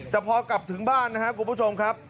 แต่พอกลับถึงบ้านนะครับคุณผู้ชมครับ